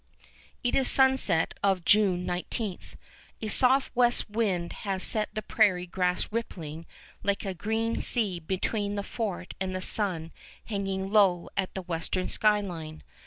It is sunset of June 19. A soft west wind has set the prairie grass rippling like a green sea between the fort and the sun hanging low at the western sky line.